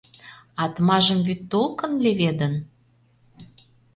Атмажым вӱд толкын леведын?